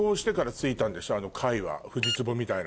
フジツボみたいな。